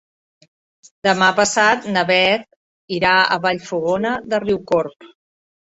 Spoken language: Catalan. Demà passat na Beth irà a Vallfogona de Riucorb.